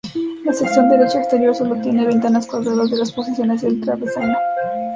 La sección derecha exterior solo tiene ventanas cuadradas en las posiciones del travesaño.